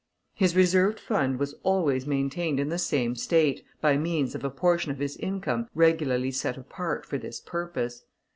His reserved fund was always maintained in the same state, by means of a portion of his income regularly set apart for this purpose.